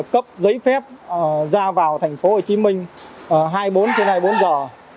cấp giấy phép ra vào thành phố hồ chí minh hai mươi bốn trên hai mươi bốn giờ